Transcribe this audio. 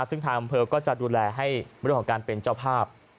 ซึ่งทางอำเภอก็จะดูแลให้เรื่องของการเป็นเจ้าภาพ